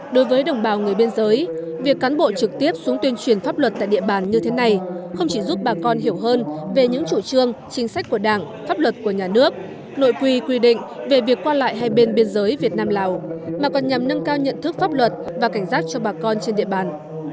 đối với đồng bào người biên giới việc cán bộ trực tiếp xuống tuyên truyền pháp luật tại địa bàn như thế này không chỉ giúp bà con hiểu hơn về những chủ trương chính sách của đảng pháp luật của nhà nước nội quy quy định về việc qua lại hai bên biên giới việt nam lào mà còn nhằm nâng cao nhận thức pháp luật và cảnh giác cho bà con trên địa bàn